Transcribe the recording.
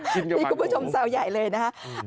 พี่คุณผู้ชมเซลล์ใหญ่เลยนะ